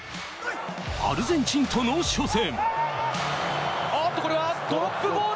アルゼンチンとの初戦。